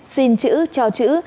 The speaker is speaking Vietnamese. xin chữ cho chữ